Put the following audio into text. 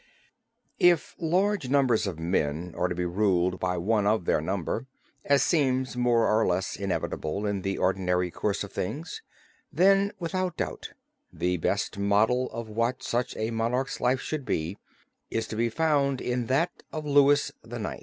If large numbers of men are to be ruled by one of their number, as seems more or less inevitable in the ordinary course of things, then, without doubt, the best model of what such a monarch's life should be, is to be found in that of Louis IX.